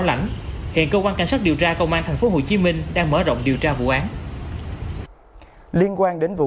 lãnh hiện cơ quan cảnh sát điều tra công an tp hcm đang mở rộng điều tra vụ án liên quan đến vụ